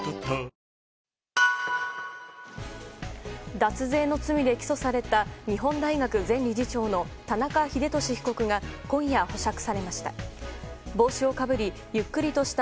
脱税の罪で起訴された日本大学前理事長の田中英壽被告が今夜、保釈されました。